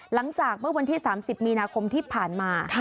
หลังจากเมื่อวันที่๓๐มีนาคมที่ผ่านมา